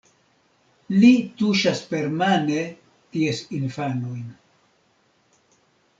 Li tuŝas permane ties infanojn.